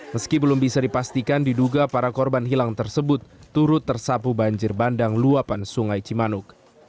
meski belum bisa dipastikan diduga para korban hilang tersebut turut tersapu banjir bandang luapan sungai cimanuk